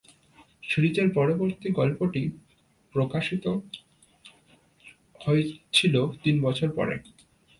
সিরিজের পরবর্তী গল্পটি প্রকাশিত হয়েছিল তিন বছর পরে।